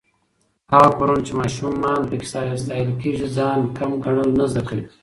هغه کورونه چې ماشومان پکې ستايل کېږي، ځان کم ګڼل نه زده کوي.